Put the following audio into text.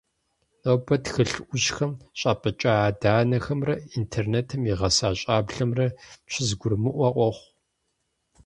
Нобэ, тхылъ Ӏущхэм щӀапӀыкӀа адэ-анэхэмрэ интернетым игъэса щӀэблэмрэ щызэгурымыӀуэ къохъу.